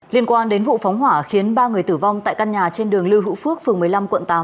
liên quan đến vụ phóng hỏa khiến ba người tử vong tại căn nhà trên đường lưu hữu phước phường một mươi năm quận tám